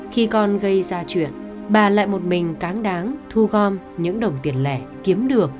khi con gây ra chuyện bà lại một mình cáng đáng thu gom những đồng tiền lẻ kiếm được